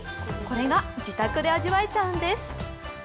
これが自宅で味わえちゃうんです。